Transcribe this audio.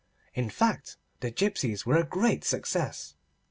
In fact the gipsies were a great success.